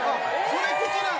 それ口なの？